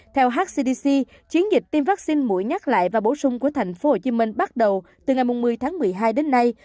theo hcdc chiến dịch tiêm vaccine mũi nhắc lại và bổ sung của thành phố hồ chí minh bắt đầu từ ngày một mươi tháng một mươi hai đến nay